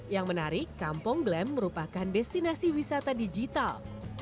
yang menarik kampung glam merupakan destinasi wisata digital